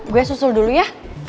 gue susul dulu ya